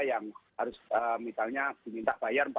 yang harus misalnya diminta bayar